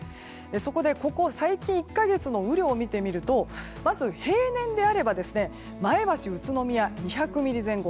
そこでここ最近１か月の雨量を見るとまず平年であれば前橋、宇都宮２００ミリ前後。